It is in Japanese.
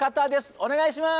お願いします